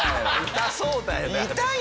痛そうだよねあれ。